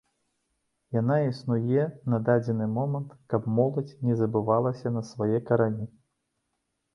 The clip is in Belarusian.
Яна існуе на дадзены момант, каб моладзь не забывалася на свае карані.